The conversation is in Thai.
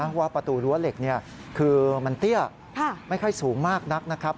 เพราะว่าประตูรั้วเหล็กคือมันเตี้ยไม่ค่อยสูงมากนักนะครับ